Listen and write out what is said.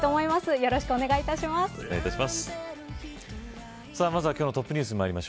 よろしくお願いします。